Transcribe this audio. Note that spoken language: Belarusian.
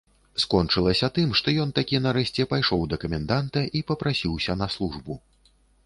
Скончылася тым, што ён такі нарэшце пайшоў да каменданта і папрасіўся на службу.